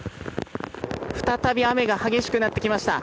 再び雨が激しくなってきました。